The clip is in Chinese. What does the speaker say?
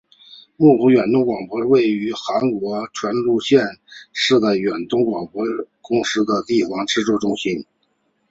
木浦远东广播是位于韩国全罗南道木浦市的远东广播公司的地方制作中心。